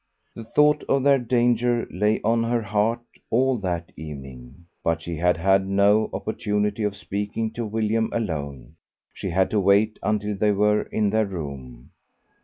The thought of their danger lay on her heart all that evening. But she had had no opportunity of speaking to William alone, she had to wait until they were in their room.